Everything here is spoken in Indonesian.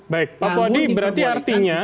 baik pak puadi berarti artinya